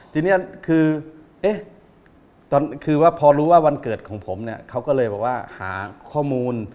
ทีนี้คือเอ๊ะคือว่าพอรู้ว่าวันเกิดของผมเนี่ยเขาก็เลยบอกว่าหาข้อมูล